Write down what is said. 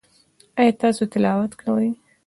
ایا تاسو تلاوت کوئ؟